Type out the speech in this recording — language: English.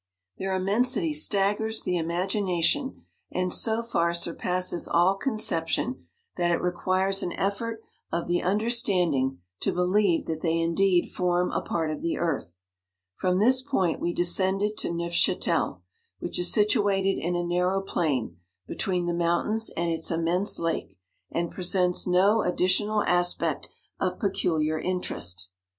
Their immensity staggers the imagina tion, and so far surpasses all conception, that it requires an effort of the under standing to believe that they indeed form a part of the earth. From this point we descended to Neufchatel, which is situated in a nar row plain, between the mountains and its immense lake, and presents no addi tional aspect of peculiar interest.